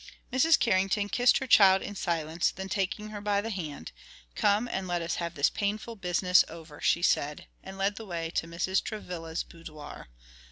Mrs. Carrington kissed her child in silence, then taking her by the hand, "Come and let us have this painful business over," she said, and led the way to Mrs. Travilla's boudoir.